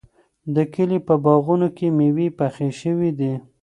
د کلي په باغونو کې مېوې پخې شوې دي.